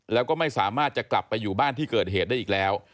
แล้วก็ไม่สามารถจะกลับไปอยู่บ้านที่เกิดเหตุได้อีกแล้ว